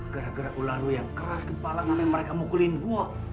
gara gara ularu yang keras kepala sampe mereka mukulin gue